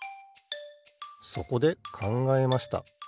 そこでかんがえました。